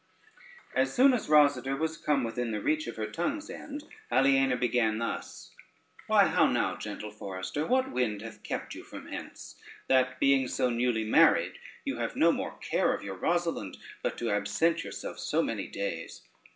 As soon as Rosader was come within the reach of her tongue's end, Aliena began thus: "Why, how now, gentle forester, what wind hath kept you from hence? that being so newly married, you have no more care of your Rosalynde, but to absent yourself so many days?